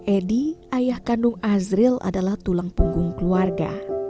edi ayah kandung azril adalah tulang punggung keluarga